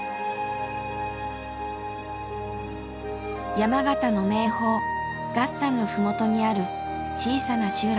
山形の名峰月山の麓にある小さな集落。